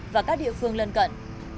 và các địa phương lân cận